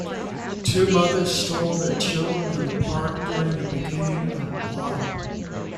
Two mothers stroll their children in the park during the beginning of Autumn